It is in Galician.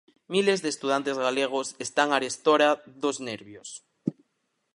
Miles de estudantes galegos están arestora dos nervios.